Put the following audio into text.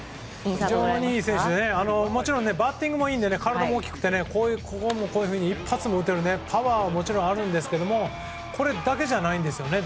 もちろんバッティングもいいので体も大きくて、一発も打てるパワーももちろんあるんですけどこれだけじゃないんです。